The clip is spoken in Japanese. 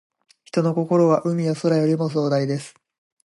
人の心は、海や空よりも壮大です。